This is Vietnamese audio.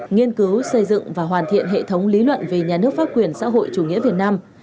nghiên cứu xây dựng và hoàn thiện hệ thống lý luận về nhà nước pháp quyền xã hội chủ nghĩa việt nam